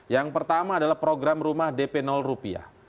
yang pertama adalah program rumah dp rupiah